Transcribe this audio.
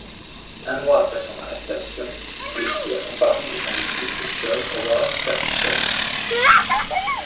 Un mois après son arrestation, Plessy a comparu devant le juge John Howard Ferguson.